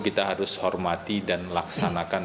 kita harus hormati dan laksanakan